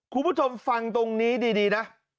คุณผู้ชมฟังตรงนี้ดีนะ